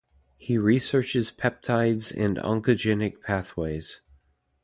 He researches peptides and oncogenic pathways.